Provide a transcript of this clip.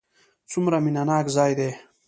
څومره مینه ناک ځای دی.